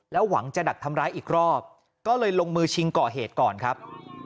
หวังจะดักทำร้ายอีกรอบก็เลยลงมือชิงก่อเหตุก่อนครับ